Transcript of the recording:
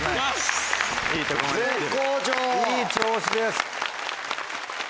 いい調子です。